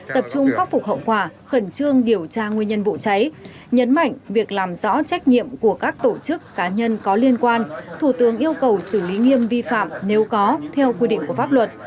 tập trung khắc phục hậu quả khẩn trương điều tra nguyên nhân vụ cháy nhấn mạnh việc làm rõ trách nhiệm của các tổ chức cá nhân có liên quan thủ tướng yêu cầu xử lý nghiêm vi phạm nếu có theo quy định của pháp luật